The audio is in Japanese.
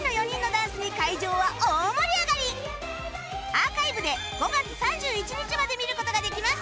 アーカイブで５月３１日まで見る事ができます